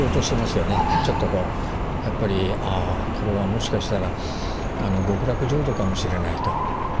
やっぱりああこれはもしかしたら極楽浄土かもしれないと。